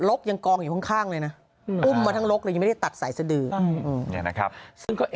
ล็อคยังกองอยู่ข้างซะดือ